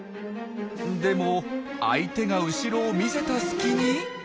でも相手が後ろを見せた隙に。